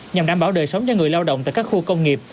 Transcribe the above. nhằm đảm bảo đời sống cho người lao động tại các khu công nghiệp